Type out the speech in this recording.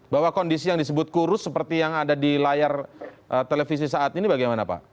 bahwa kondisi yang disebut kurus seperti yang ada di layar televisi saat ini bagaimana pak